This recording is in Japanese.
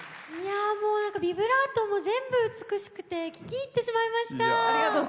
ビブラートも全部美しくて聴き入ってしまいました。